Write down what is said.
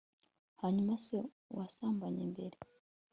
hanyuma se uwasambanye mbere